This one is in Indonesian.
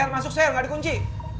masuk sel gak ada kunci